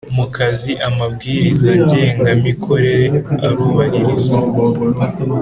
mu kazi amabwiriza ngengamikorere arubahirizwa